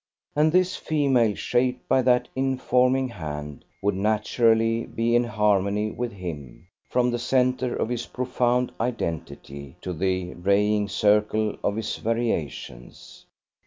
And this female, shaped by that informing hand, would naturally be in harmony with him, from the centre of his profound identity to the raying circle of his variations.